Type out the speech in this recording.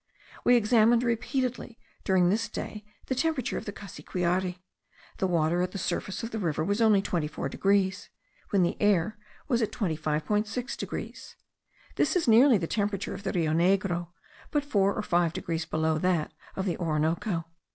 We examined repeatedly, during this day, the temperature of the Cassiquiare. The water at the surface of the river was only 24 degrees (when the air was at 25.6 degrees.) This is nearly the temperature of the Rio Negro, but four or five degrees below that of the Orinoco.